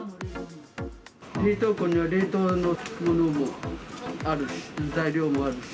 冷凍庫には冷凍のものもあるし、材料もあるし。